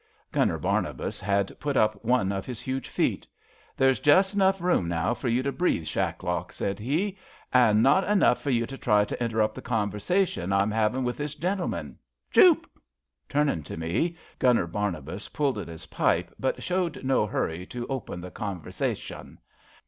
Gun ner Barnabas had put up one of his huge feet. There's just enough room now fpr you to breathe, Shaddock,'* said he, an' not enough for you to try to interrupt the eonversashin I'm a havin' with this gentleman. ChoopI '' Turning to me, Gunner Barnabas pulled at his pipe, but showed no hurry to open the '* eonversashin."